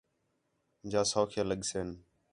جا سَوکھے لڳسِن